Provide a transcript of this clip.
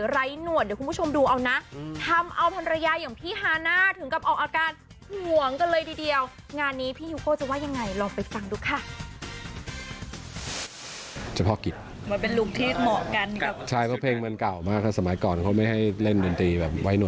ไร้หนวดเดี๋ยวคุณผู้ชมดูเอานะ